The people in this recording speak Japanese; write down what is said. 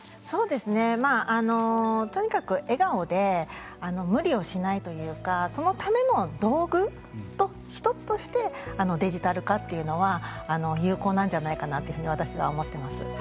そうですねまあとにかく笑顔で無理をしないというかそのための道具の一つとしてデジタル化っていうのは有効なんじゃないかなっていうふうに私は思ってます。